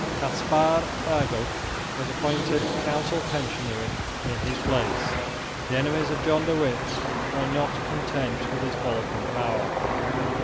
Caspar Fagel was appointed council pensionary in his place. The enemies of John de Witt were not content with his fall from power.